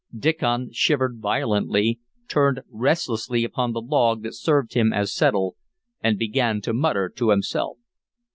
Diccon shivered violently, turned restlessly upon the log that served him as settle, and began to mutter to himself.